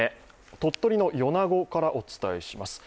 鳥取の米子からお伝えします。